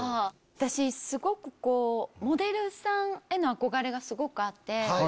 私モデルさんへの憧れがすごくあって。